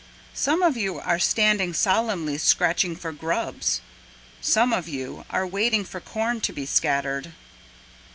Some of you are standing solemnly scratching for grubs; Some of you are waiting for corn to be scattered.